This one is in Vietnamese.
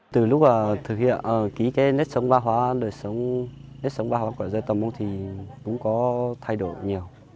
từ lúc thực hiện ký kế nếp sống văn hóa nếp sống văn hóa của dân tộc mông thì cũng có thay đổi nhiều